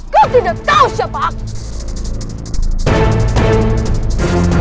kau tidak tahu siapa